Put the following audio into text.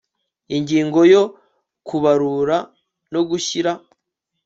ingingo yo kubarura no gushyira